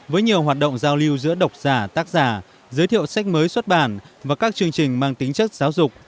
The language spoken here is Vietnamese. với nhiều hoạt động giao lưu giữa độc giả tác giả giới thiệu sách mới xuất bản và các chương trình mang tính chất giáo dục